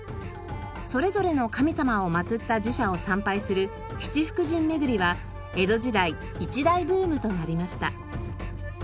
それぞれの神様を祭った寺社を参拝する七福神巡りは江戸時代一大ブームとなりました。